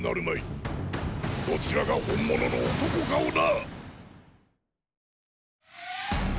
どちらが本物の漢かをな。